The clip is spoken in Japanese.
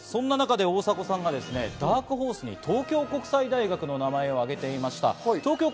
大迫さんがダークホースに東京国際大学の名前を挙げていました。